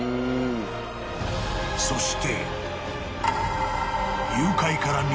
［そして］